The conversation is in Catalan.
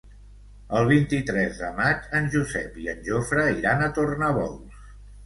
El vint-i-tres de maig en Josep i en Jofre iran a Tornabous.